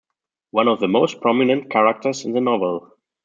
One of the most prominent characters in the novel.